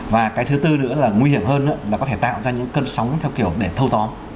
và cái thứ tư nữa là nguy hiểm hơn là có thể tạo ra những cơn sóng theo kiểu để thâu tóm